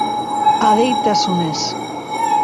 Adeitasunez